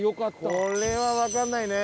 これはわかんないね。